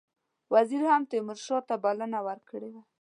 وزیر هم تیمورشاه ته بلنه ورکړې وه.